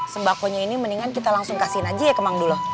sembakonya ini mendingan kita langsung kasihin aja ya ke bang dulo